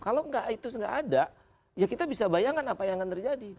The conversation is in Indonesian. kalau itu nggak ada ya kita bisa bayangkan apa yang akan terjadi